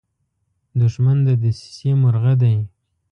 دښمن د دسیسې مرغه دی